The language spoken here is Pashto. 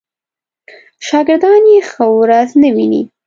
شاګردان یې ښه ورځ نه ویني.